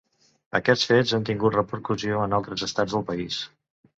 Aquests fets han tingut repercussió en altres estats del país.